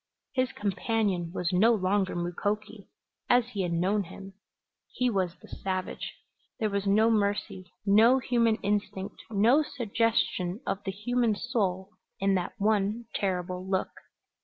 His companion was no longer Mukoki as he had known him; he was the savage. There was no mercy, no human instinct, no suggestion of the human soul in that one terrible look.